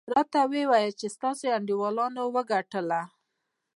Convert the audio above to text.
راته ویې ویل چې ستاسې انډیوالانو وګټله.